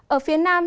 ở phía nam